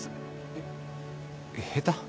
えっ下手？